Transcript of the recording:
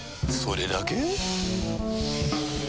それだけ？